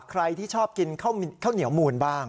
ใครที่ชอบกินข้าวเหนียวมูลบ้าง